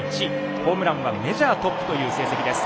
ホームランはメジャートップという成績です。